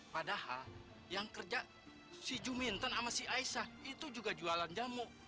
padahal yang kerja si juminten sama si aisyah itu juga jualan jamu